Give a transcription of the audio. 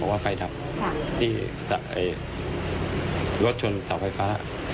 ว่าไฟดับที่รถชนเสาไฟฟ้า